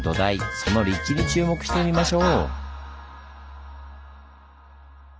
その立地に注目してみましょう！